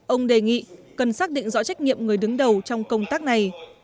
ông đề nghị cần xác định rõ trách nhiệm người đứng đầu trong công tác này